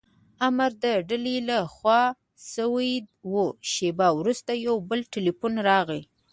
امر د ډلې له خوا شوی و، شېبه وروسته یو بل ټیلیفون راغلی.